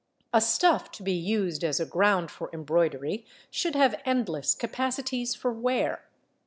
A stuff to be used as a ground for embroidery should have endless capacities for wear.